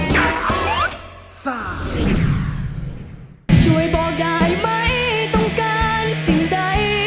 ช่วยบอกได้ไหมต้องการสิ่งใด